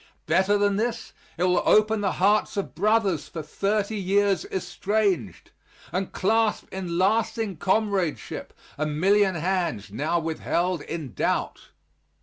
Better than this, it will open the hearts of brothers for thirty years estranged, and clasp in lasting comradeship a million hands now withheld in doubt.